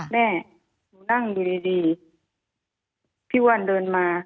แม่หนูนั่งดีพี่วันเดินมา